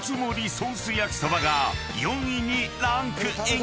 ソース焼そばが４位にランクイン］